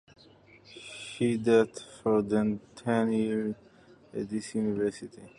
She taught for ten years at this university.